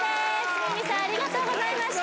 ＭＩＮＭＩさんありがとうございました